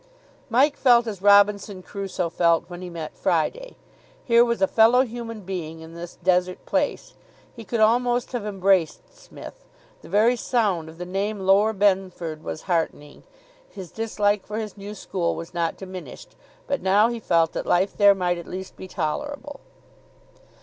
Mike felt as Robinson Crusoe felt when he met Friday. Here was a fellow human being in this desert place. He could almost have embraced Psmith. The very sound of the name Lower Benford was heartening. His dislike for his new school was not diminished, but now he felt that life there might at least be tolerable.